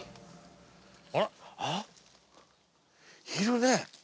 あっいるね。